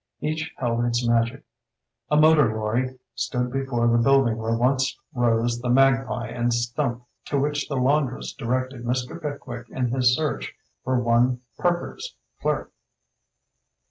Each held its magic. A motor lorry stood before the building where once rose the Magpie and Stump to which the laundress directed Mr. Pickwick in his search for one Perkers, clerk.